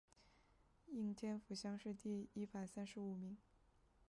应天府乡试第一百三十五名。